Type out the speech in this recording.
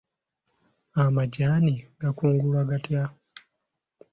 Amajaani gakungulwa gatya?